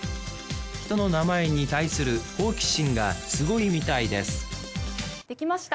人の名前に対する好奇心がすごいみたいですできました！